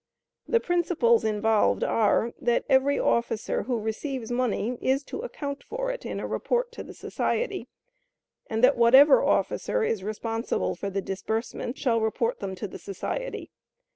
The principles involved, are, that every officer who receives money is to account for it in a report to the society, and that whatever officer is responsible for the disbursements, shall report them to the society.